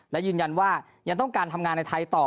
และยืนยันว่ายังต้องการทำงานในไทยต่อ